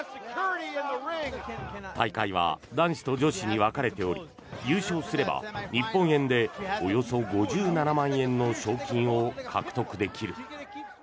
大会は男子と女子に分かれており優勝すれば日本円でおよそ５７万円の賞金を獲得できる。